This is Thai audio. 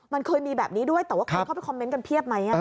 มันเคยมีแบบนี้ด้วยแต่ว่าคนเข้าไปคอมเมนต์กันเพียบไหม